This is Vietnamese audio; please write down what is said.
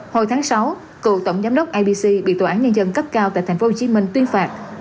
hồi tháng sáu cựu tổng giám đốc ibc bị tòa án nhân dân cấp cao tại tp hcm tuyên phạt